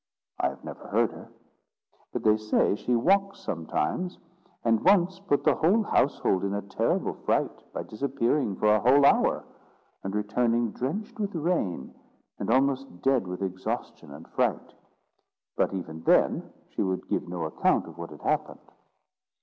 "I have never heard her; but they say she walks sometimes, and once put the whole household in a terrible fright by disappearing for a whole hour, and returning drenched with rain, and almost dead with exhaustion and fright. But even then she would give no account of what had happened."